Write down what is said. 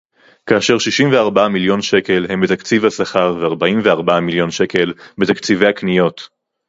כאשר שישים וארבעה מיליון שקל הם בתקציב השכר וארבעים וארבעה מיליון שקל בתקציבי הקניות